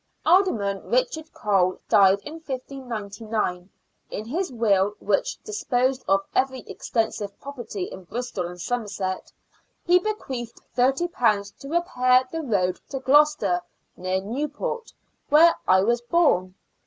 Alderman Richard Cole died in 1599. In his will, which disposed of very extensive property in Bristol and Somerset, he bequeathed £ ^o to repair the road to Gloucester, near Newport, " where I was born."